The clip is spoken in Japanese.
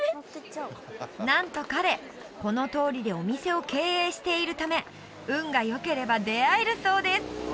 なんと彼この通りでお店を経営しているため運がよければ出会えるそうです